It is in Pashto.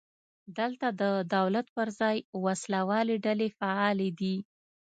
دلته د دولت پر ځای وسله والې ډلې فعالې دي.